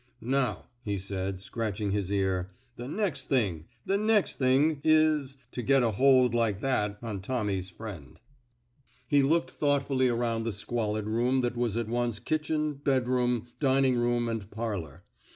Now," he said, scratching his ear, the nex' thing — the nex' thing — is — to get a hold like that on Tommy's friend." 75 f THE SMOKE EATERS He looked thoughtfully around the squalid room that was at once kitchen, bedroom, dining room, and parlor.